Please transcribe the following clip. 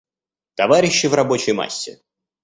Товарищи в рабочей массе.